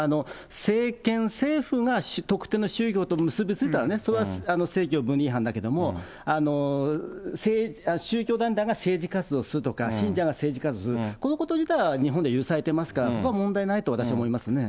政権、政府が特定の宗教と結び付いたら、それは政教分離違反だけども、宗教団体が政治活動するとか、信者が政治活動をする、このこと自体は日本で許されてますから、ここは問題ないと私は思いますね。